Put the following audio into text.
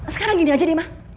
sekarang gini aja nih mah